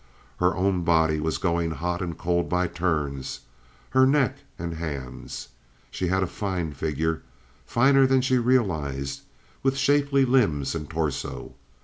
Her own body was going hot and cold by turns—her neck and hands. She had a fine figure, finer than she realized, with shapely limbs and torso.